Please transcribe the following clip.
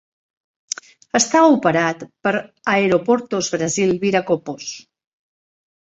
Està operat per Aeroportos Brasil Viracopos.